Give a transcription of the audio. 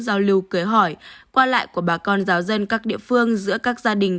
giao lưu cưới hỏi qua lại của bà con giáo dân các địa phương giữa các gia đình